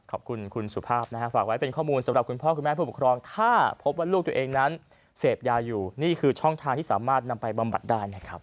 ขอบคุณคุณสุภาพนะฮะฝากไว้เป็นข้อมูลสำหรับคุณพ่อคุณแม่ผู้ปกครองถ้าพบว่าลูกตัวเองนั้นเสพยาอยู่นี่คือช่องทางที่สามารถนำไปบำบัดได้นะครับ